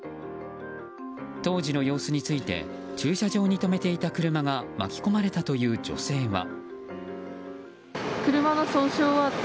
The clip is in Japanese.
当時の様子について駐車場に止めていた車が巻き込まれたという女性は。